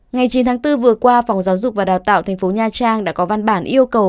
ngày chín tháng bốn vừa qua phòng giáo dục và đào tạo tp nha trang đã có văn bản yêu cầu